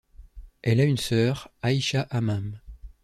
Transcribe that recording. Elle à une soeur, Aicha Hammam.